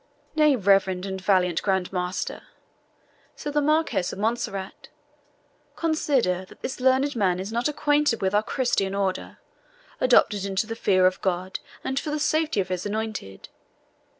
"Nay, reverend and valiant Grand Master," said the Marquis of Montserrat, "consider that this learned man is not acquainted with our Christian order, adopted in the fear of God, and for the safety of His anointed.